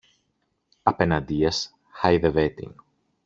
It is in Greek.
Απεναντίας, χάιδευε την